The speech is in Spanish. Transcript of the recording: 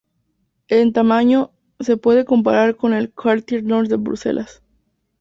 En tamaño se puede comparar con el Quartier Nord de Bruselas.